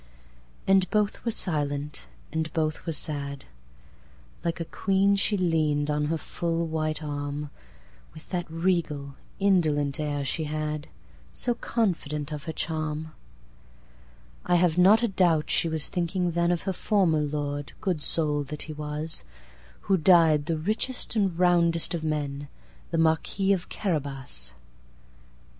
And both were silent, and both were sad. Like a queen she lean'd on her full white arm, With that regal, indolent air she had; So confident of her charm!I have not a doubt she was thinking thenOf her former lord, good soul that he was! Who died the richest and roundest of men, The Marquis of Carabas.